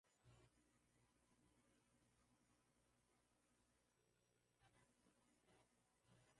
aa kukuletea kipindi hiki cha jukwaa la michezo karibu sana mwenzangu